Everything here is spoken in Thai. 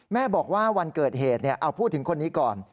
แม่บอกว่าวันเกิดเหตุเอาพูดถึงคนนี้ก่อน